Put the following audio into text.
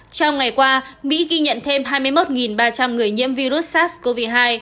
trong ngày qua mỹ ghi nhận thêm hai mươi một ba trăm linh người nhiễm virus sars cov hai